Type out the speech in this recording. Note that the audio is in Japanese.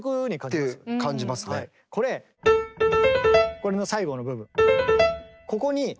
これの最後の部分。